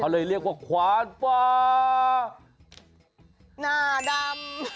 เขาเลยเรียกว่าขวานน่าดำ